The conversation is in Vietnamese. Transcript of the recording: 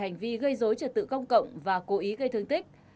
hành vi gây dối trật tự công cộng và cố ý gây thương tích